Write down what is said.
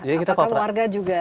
atau keluarga juga